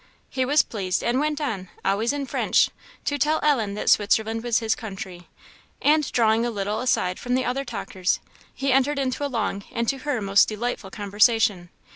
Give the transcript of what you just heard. He was pleased, and went on, always in French, to tell Ellen that Switzerland was his country; and drawing a little aside from the other talkers, he entered into a long, and to her most delightful conversation.